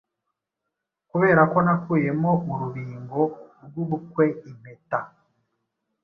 Kuberako nakuyemo urubingo Rwubukwe-impeta.